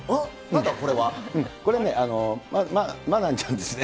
これね、まなんちゃんですね。